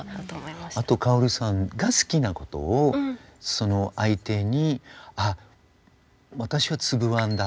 あとカオルさんが好きなことをその相手に「あ私はつぶあんだ」